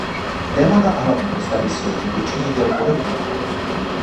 Témata a hlavní postavy jsou ve většině děl podobná.